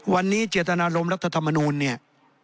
วันนี้เจตนารมณ์รัฐธรรมนูลเนี่ย